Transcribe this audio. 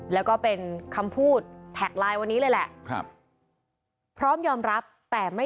แล้วก็เป็นคำพูดแท็กไลน์วันนี้เลยแหละ